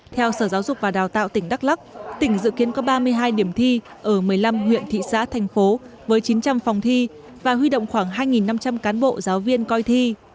theo sở giáo dục và đào tạo tỉnh đắk lắc tỉnh dự kiến có ba mươi hai điểm thi ở một mươi năm huyện thị xã thành phố với chín trăm linh phòng thi và huy động khoảng hai năm trăm linh cán bộ giáo viên coi thi